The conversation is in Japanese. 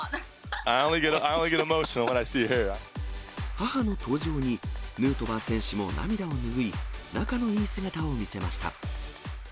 母の登場に、ヌートバー選手も涙をぬぐい、仲のいい姿を見せました。